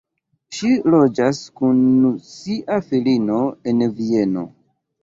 Ŝi loĝas kun sia filino en Vieno.